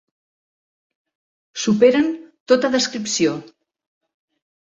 Superen tota descripció.